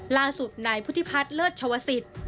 ล่าสุดนายพุทธิพัฒน์เลิศชวศิษย์